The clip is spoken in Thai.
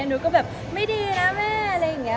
หนูก็แบบไม่ดีนะแม่อะไรอย่างนี้